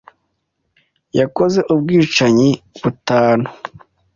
Yakoze ubwicanyi butanu.